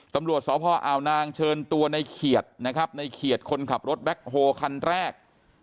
ตำรวจสพอาวนางเชิญตัวในเขียดนะครับในเขียดคนขับรถแบ็คโฮคันแรก